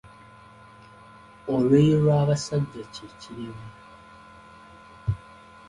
Olweyo lw’abasajja kye kirevu.